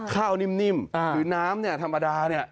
ข้าวนิ่มหรือน้ำธรรมดา